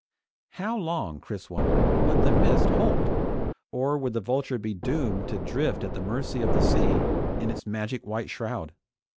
How long, Chris wondered, would the mist hold? Or would the Vulture be doomed to drift at the mercy of the sea in its magic white shroud?